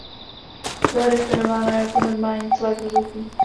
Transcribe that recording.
Byla definována jako normální tlak vzduchu.